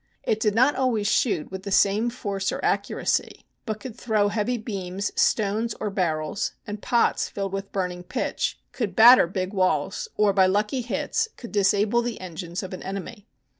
It did not always shoot with the same force or accuracy, but could throw heavy beams, stones, or barrels and pots filled with burning pitch, could batter big walls, or by lucky hits could disable the engines of an enemy.